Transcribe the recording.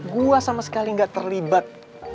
gua sama sekali gak terlibat